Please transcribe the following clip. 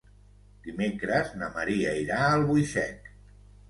Dimecres na Maria irà a Albuixec.